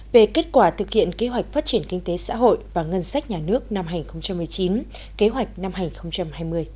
về kết quả thực hiện kế hoạch phát triển kinh tế xã hội và ngân sách nhà nước năm hai nghìn một mươi chín kế hoạch năm hai nghìn hai mươi